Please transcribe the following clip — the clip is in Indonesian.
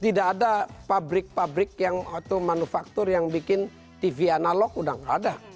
tidak ada pabrik pabrik yang auto manufaktur yang bikin tv analog sudah tidak ada